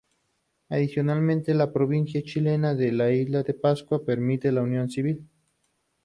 Adicionalmente, la provincia chilena de Isla de Pascua permite la unión civil.